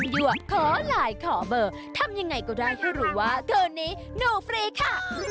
ขอไลน์ขอเบอร์ทำยังไงก็ได้ให้รู้ว่าคืนนี้หนูฟรีค่ะ